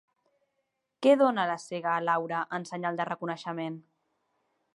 Què dona la Cega a Laura en senyal de reconeixement?